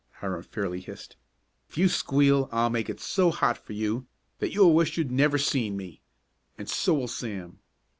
Hiram fairly hissed. "If you squeal I'll make it so hot for you that you'll wish you'd never seen me and so will Sam."